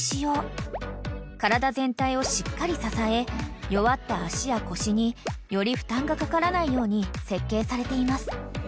［体全体をしっかり支え弱った脚や腰により負担がかからないように設計されています］